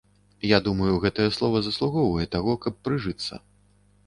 Я думаю, гэтае слова заслугоўвае таго, каб прыжыцца.